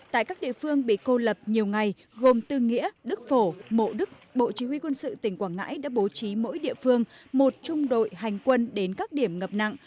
tại các địa phương bị cô lập nhiều ngày gồm tư nghĩa đức phổ mộ đức bộ chỉ huy quân sự tỉnh quảng ngãi đã bố trí mỗi địa phương một trung đội hành quân đến các điểm ngập nặng